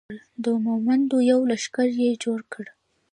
د مومندو یو لښکر یې جوړ کړ.